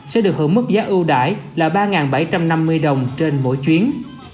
sẽ được hưởng mức giá ưu đại là ba bảy trăm năm mươi đồng trên mỗi chuyến